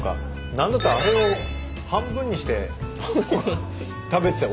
何だったらあれを半分にして食べてたよ